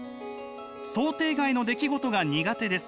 「想定外の出来事が苦手です。